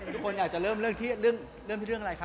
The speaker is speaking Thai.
ทุกคนอยากจะเริ่มเรื่องที่เรื่องอะไรคะ